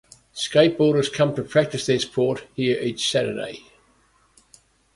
Skateboarders come to practice their sport here each Saturday.